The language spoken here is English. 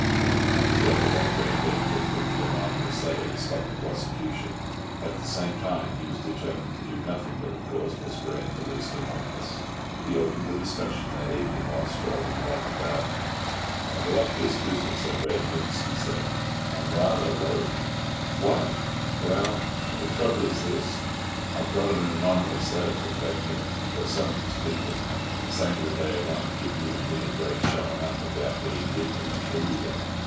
He did not care to let Red Mick think that the anonymous letter had stopped the prosecution; at the same time, he was determined to do nothing that would cause Miss Grant the least annoyance. He opened the discussion that evening while strolling about the garden. "About this business of Red Mick's," he said. "I am rather worried." "Why?" "Well, the trouble is this: I've got an anonymous letter from Red Mick or some of his people, saying that they are going to give you and me a great showing up about being hidden in the tree together."